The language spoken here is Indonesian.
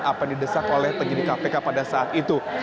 apa didesak oleh penyidik kpk pada saat itu